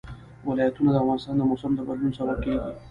ولایتونه د افغانستان د موسم د بدلون سبب کېږي.